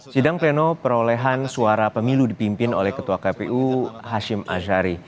sidang pleno perolehan suara pemilu dipimpin oleh ketua kpu hashim ashari